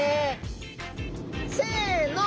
せの！